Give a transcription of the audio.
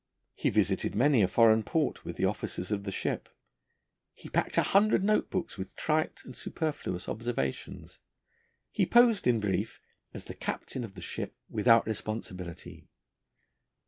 He visited many a foreign port with the officers of the ship; he packed a hundred note books with trite and superfluous observations; he posed, in brief, as the captain of the ship without responsibility.